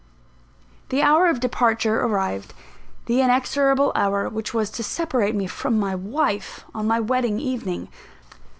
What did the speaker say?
The hour of departure arrived; the inexorable hour which was to separate me from my wife on my wedding evening.